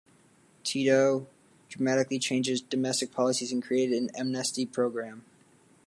Tito dramatically changed his domestic policies and created an amnesty programme.